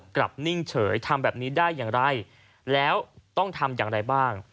นิ่งเฉยทำแบบนี้ได้อย่างไรแล้วต้องทำอย่างไรบ้าง